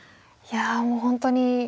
いやもう本当に。